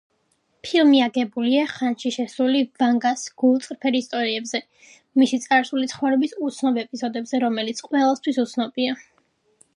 ფილმი აგებულია ხანშიშესული ვანგას გულწრფელ ისტორიებზე მისი წარსული ცხოვრების უცნობ ეპიზოდებზე, რომელიც ყველასთვის უცნობია.